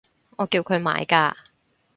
我叫佢買㗎